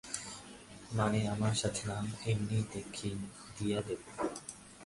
মানে, আমার সাথে - না, এমনিই দিয়ে দেবো।